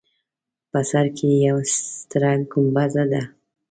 په سر کې یوه ستره ګومبزه ده.